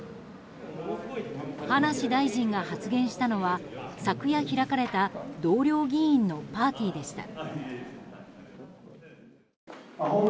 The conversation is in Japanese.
葉梨大臣が発言したのは昨夜開かれた同僚議員のパーティーでした。